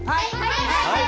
はい！